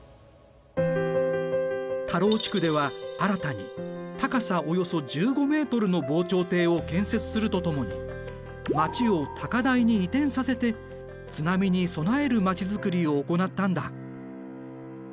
田老地区では新たに高さおよそ１５ｍの防潮堤を建設するとともに町を高台に移転させて津波に備えるまちづくりを行ったんだ。